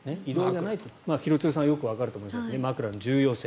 廣津留さんはよくわかると思いますが枕の重要性。